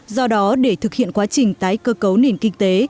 do đó để thực hiện quá trình tái cơ cấu nền kinh tế